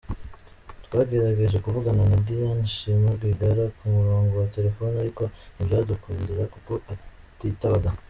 Twagerageje kuvugana na Diane Shima Rwigara ku murongo wa telefoni ariko ntibyadukundira kuko atitabaga.